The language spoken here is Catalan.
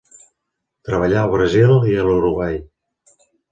Treballà al Brasil i a l'Uruguai.